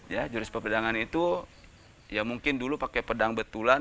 ya jurus pepedangan itu ya mungkin dulu pakai pedang betulan